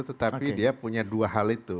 tetapi dia punya dua hal itu